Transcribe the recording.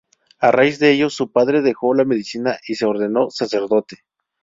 A raíz de ello, su padre dejó la medicina y se ordenó sacerdote.